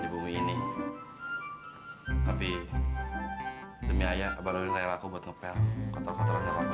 di bumi ini tapi demi ayah abang daryl rela aku untuk ngepel kotor kotoran gampang